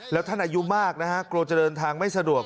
แล้วท่านอายุมากนะฮะโกรธเจริญทางไม่สะดวก